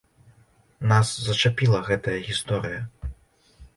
Нас зачапіла гэтая гісторыя.